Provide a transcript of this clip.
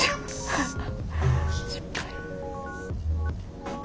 失敗。